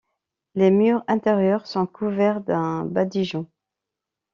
Les murs intérieurs sont couverts d'un badigeon.